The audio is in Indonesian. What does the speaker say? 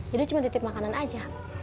jadi cuma nitip makanan aja